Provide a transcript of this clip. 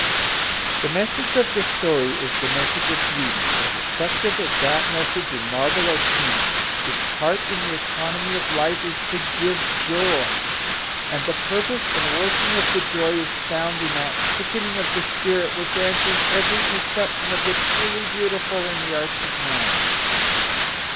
The message of the story is the message of beauty, as effective as that message in marble or paint. Its part in the economy of life is to give joy. And the purpose and working of the joy is found in that quickening of the spirit which answers every perception of the truly beautiful in the arts of man.